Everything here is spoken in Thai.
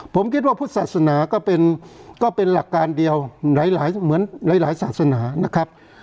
ผมคิดว่าพุทธศาสนาก็เป็นหลักการเดียวหลายเหมือนหลายศาสนานะครับ